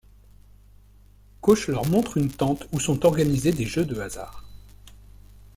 Cauch leur montre une tente où sont organisés des jeux de hasard.